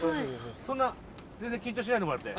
そんな全然緊張しないでもらって。